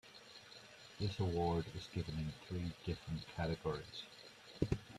This award is given in three different categories.